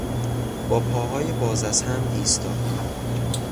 با پاهای باز از هم ایستاد.